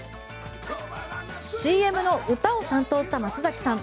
ＣＭの歌を担当した松崎さん。